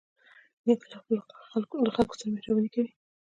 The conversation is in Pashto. نیکه له خلکو سره مهرباني کوي.